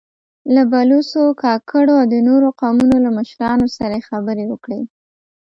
له بلوڅو، کاکړو او د نورو قومونو له مشرانو سره يې خبرې وکړې.